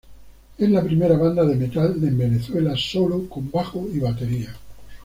Es la primera banda de Metal en Venezuela, solo con bajo y batería.